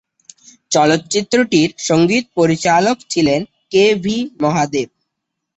চলচ্চিত্রটির সঙ্গীত পরিচালক ছিলেন কে ভি মহাদেব।